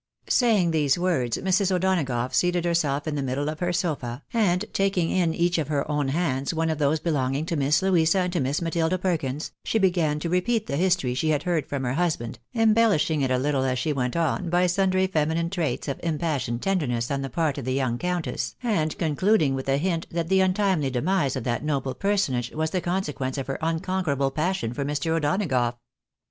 Saying these words, Mrs. O'Donagough seated herself in the middle of her sofa, and taking in each of her own hands one of those belonging to Miss Louisa and to Miss Matilda Perkins, she began to repeat the history she had heard from her husband, embel lishing it a little as she went on, by sundry feminine traits of impassioned tenderness on the part of the young countess, and con cluding with a hint that the untimely demise of that noble per sonage was the consequence of her unconquerable passion for Mr. O'Donagough.